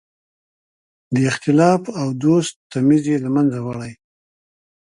د اختلاف او دوست تمیز یې له منځه وړی.